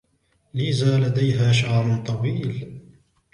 ليزا لديها شعر طويل.